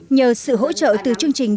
nhờ sự hỗ trợ từ chương trình